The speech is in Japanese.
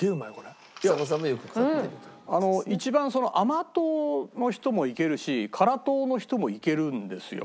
一番甘党の人もいけるし辛党の人もいけるんですよ。